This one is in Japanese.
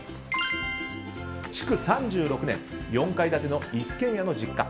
築３６年、４階建ての一軒家の実家。